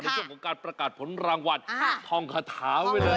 ในเวลาการประกาศผลรางวัลทองขาถาไว้เลย